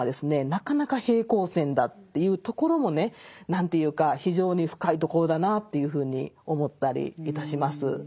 なかなか平行線だというところもね何ていうか非常に深いところだなというふうに思ったりいたします。